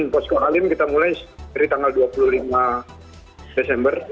post co halim kita mulai dari tanggal dua puluh lima desember